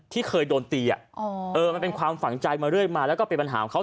ที่เคยโดนตีมันเป็นความฝังใจมาเรื่อยมาแล้วก็เป็นปัญหาของเขา